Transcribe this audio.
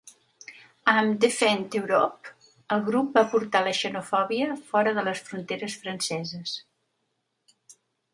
Amb ‘Defend Europe’, el grup va portar la xenofòbia fora de les fronteres franceses.